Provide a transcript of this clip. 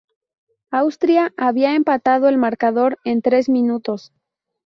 Austria había empatado el marcador en tres minutos.